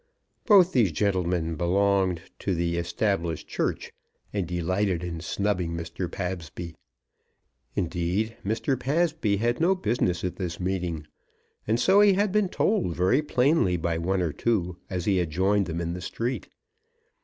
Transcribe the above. Both these gentlemen belonged to the Established Church and delighted in snubbing Mr. Pabsby. Indeed, Mr. Pabsby had no business at this meeting, and so he had been told very plainly by one or two as he had joined them in the street.